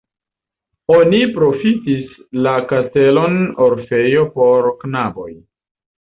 Oni profitis la kastelon orfejo por knaboj.